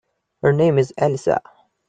Her name is Elisa.